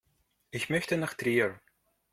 Ich möchte nach Trier